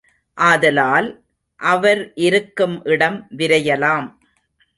ஆதலால், அவர் இருக்கும் இடம் விரையலாம்.